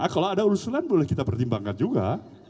kalau ada usulan boleh kita pertimbangkan juga